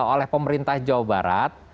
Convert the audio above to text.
oleh pemerintah jawa barat